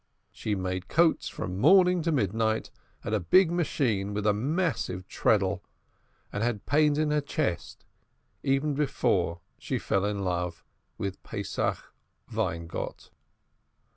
She made coats from morning till midnight at a big machine with a massive treadle, and had pains in her chest even before she fell in love with Pesach Weingott.